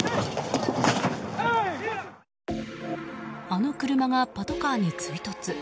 あの車がパトカーに追突。